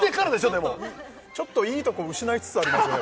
でもちょっといいとこ失いつつありますよね